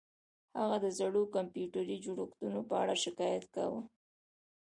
هغه د زړو کمپیوټري جوړښتونو په اړه شکایت کاوه